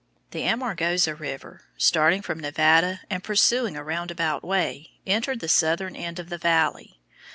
The Amargoza River, starting from Nevada and pursuing a roundabout way, entered the southern end of the valley.